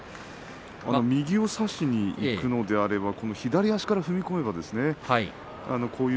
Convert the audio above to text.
右を差しにいくんであれば左足から踏み込めばいい。